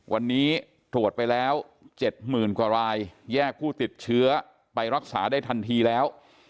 วันนี้ตรวจไปแล้ว๗๐๐๐กว่ารายแยกผู้ติดเชื้อไปรักษาได้ทันทีแล้ว